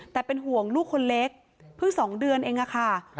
แต่เป็นห่วงลูกคนเล็กเพิ่ง๒เดือนเองค่ะ